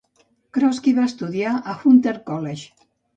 Kroski va estudiar a Hunter College.